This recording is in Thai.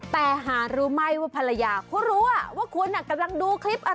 แต่หารู้ไหมว่าภรรยาเขารู้ว่าคุณกำลังดูคลิปอะไร